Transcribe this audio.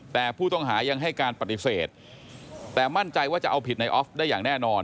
แต่ผู้ต้องหายังให้การปฏิเสธแต่มั่นใจว่าจะเอาผิดในออฟได้อย่างแน่นอน